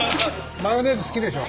マヨネーズ好きでしょ？